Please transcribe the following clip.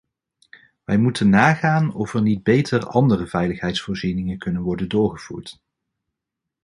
Wij moeten nagaan of er niet beter andere veiligheidsvoorzieningen kunnen worden doorgevoerd.